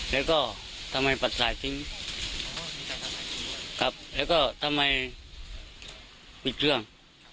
แล้วก็ทำไมปัดสายทิ้งครับแล้วก็ทำไมปิดเครื่อง